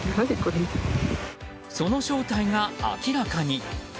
その正体が明らかに。